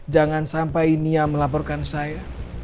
jangan sampai nia melaporkan saya